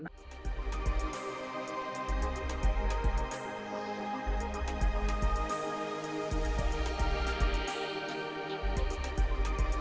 mulai dari bagaimanairi perang lebanda jalan raya